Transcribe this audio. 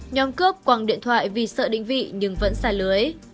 nhóm cướp quăng điện thoại vì sợ định vị nhưng vẫn xả lưới